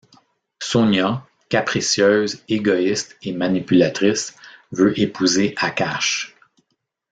Sonia, capricieuse, égoïste et manipulatrice veut épouser Akash.